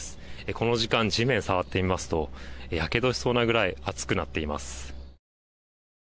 この時間、地面を触ってみますとやけどしそうなくらい熱くなっています。